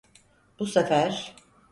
Bu sefer…